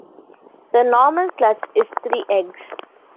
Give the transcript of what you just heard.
The normal clutch is three eggs.